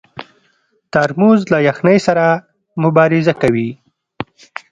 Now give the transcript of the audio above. ترموز له یخنۍ سره مبارزه کوي.